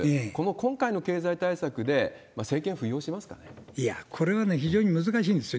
今回の経済対策で、いや、これは非常に難しいんですよ。